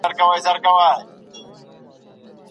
ولي د بشري حقوقو په ساتنه کي ناغېړۍ کېږي؟